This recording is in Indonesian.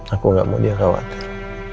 aku gak mau dia khawatir